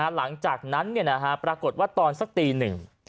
หลังจากนั้นปรากฏว่าตอนสักตีหนึ่ง